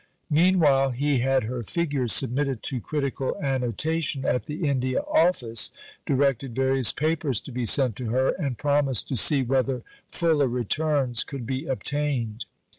Meanwhile he had her figures submitted to critical annotation at the India Office, directed various Papers to be sent to her, and promised to see whether fuller returns could be obtained.